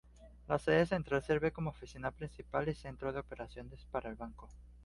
La sede central sirve como oficina principal y centro de operaciones para el banco.